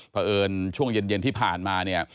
เพราะเอิญช่วงเย็นที่ผ่านมาเนี่ย